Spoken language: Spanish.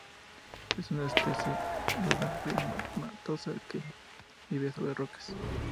Es una especie vivaz, rizomatosa que vive sobre rocas.